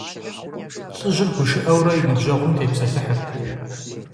ЛӀыжьыр гушыӀэурэ и ныбжьэгъум тепсэлъыхьырт.